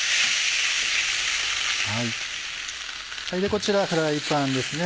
こちらフライパンですね